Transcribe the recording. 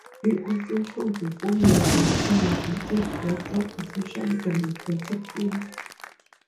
He also showed the formula relating magnetic vector potential and magnetic field.